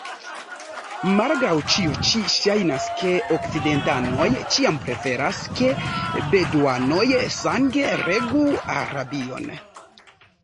Malgraŭ ĉio ĉi ŝajnas, ke okcidentanoj ĉiam preferas, ke beduanoj sange regu Arabion.